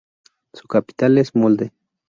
Su capital es Molde.